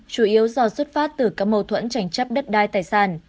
chủ yếu do xuất phát từ các mâu thuẫn tranh chấp đất đai tài sản